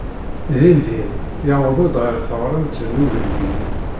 Din-din yuweḍ-d ɣer teɣremt n ugellid.